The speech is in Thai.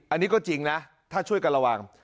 อันนี้ก็จริงนะถ้าช่วยกันระวัง